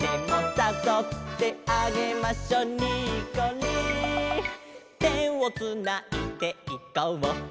「さそってあげましょニッコリ」「手をつないでいこう」